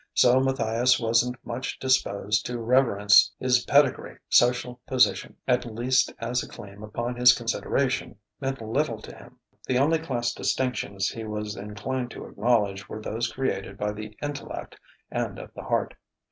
So Matthias wasn't much disposed to reverence his pedigree: social position, at least as a claim upon his consideration, meant little to him: the only class distinctions he was inclined to acknowledge were those created by the intellect and of the heart.